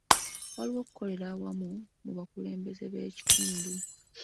Waliwo okukolera awamu mu bakulembeze b'ekitundu.